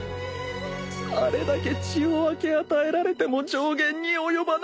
あれだけ血を分け与えられても上弦に及ばなかった